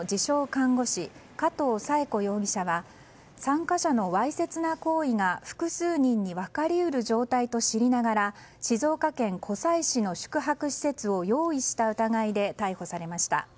看護師加藤砂恵子容疑者は参加者のわいせつな行為が複数人に分かり得る状態と知りながら静岡県湖西市の宿泊施設を用意した疑いで逮捕されました。